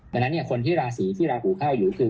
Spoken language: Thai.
ดังนั้นเนี่ยคนที่ราศีที่ราหูข้าวอยู่คือ